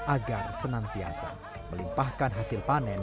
agar senantiasa melimpahkan hasil panen